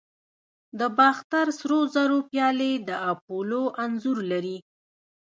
د باختر سرو زرو پیالې د اپولو انځور لري